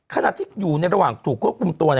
ขณะที่อยู่ในระหว่างถูกควบคุมตัว